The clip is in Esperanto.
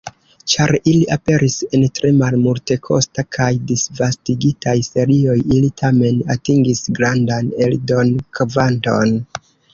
Ĉar ili aperis en tre malmultekostaj kaj disvastigitaj serioj, ili tamen atingis grandan eldon-kvanton.